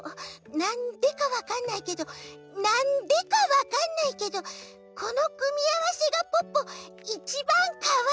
なんでかわかんないけどなんでかわかんないけどこのくみあわせがポッポいちばんかわいいきがする！